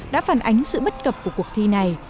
đã phản ánh sự bất cập của cuộc thi này